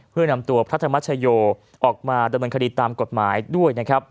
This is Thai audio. เพื่อนำตัวพระธรรมชโยออกมาดำเนินคดีตามกฎหมายด้วยนะครับ